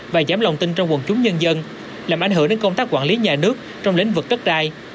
và giảm lòng tin trong quần chúng nhân dân làm ảnh hưởng đến công tác quản lý nhà nước trong lĩnh vực đất đai